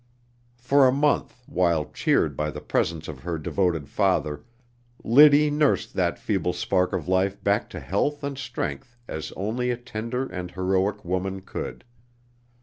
For a month, while cheered by the presence of her devoted father, Liddy nursed that feeble spark of life back to health and strength as only a tender and heroic woman could.